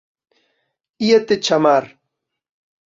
Íate chamar